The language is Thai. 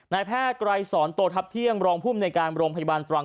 นายแพทย์ไกลสอนโตทัพเที่ยงรองพุ่มในการโรมพัฒนีบรรยาบันตรัง